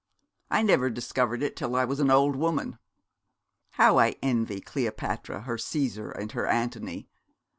I never discovered it till I was an old woman. How I envy Cleopatra her Cæsar and her Antony.